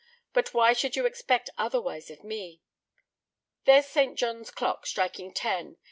But why should you expect otherwise of me? There's Saint John's clock striking ten.